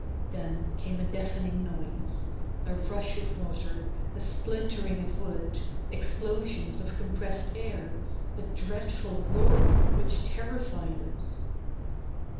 Then came a deafening noise. A rush of water, a splintering of wood, explosions of compressed air, a dreadful roaring which terrified us.